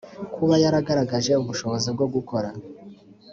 kuba yaragaragaje ubushobozi bwo gukora